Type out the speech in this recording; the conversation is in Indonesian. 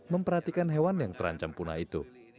memperhatikan hewan yang terancam punah itu